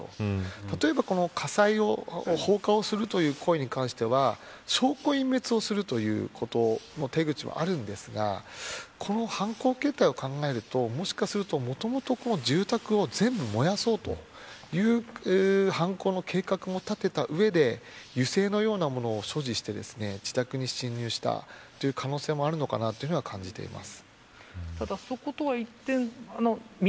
例えば火災、放火をするという行為に関しては証拠隠滅をする、ということの手口はあるんですがこの犯行形態を考えるともしかすると、もともと住宅を全部燃やそうという犯行の計画を立てたうえで油のようなものを所持して自宅に侵入したという可能性もあるのかなと感じています。